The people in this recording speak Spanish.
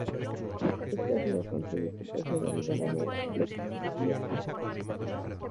Este ácido con sodio y potasio da lugar a una de las sales biliares.